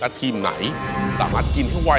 ทีมไหนสามารถกินให้ไว